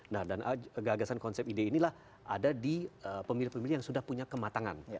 nah dan gagasan konsep ide inilah ada di pemilih pemilih yang sudah punya kematangan